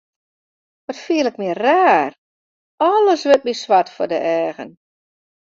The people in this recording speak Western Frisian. Wat fiel ik my raar, alles wurdt my swart foar de eagen.